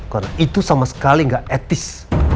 karena itu sama sekali gak etis